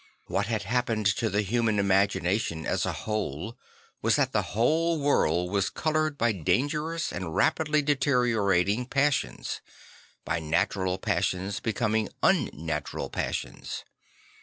What had happened to the human imagination, as a whole, was that the whole world was coloured by dan gerous and rapidly deteriorating passions; by natural passions becoming unnatural passions.